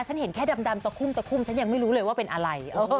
ฉันเห็นแค่ดำตะคุ่มตะคุ่มฉันยังไม่รู้เลยว่าเป็นอะไร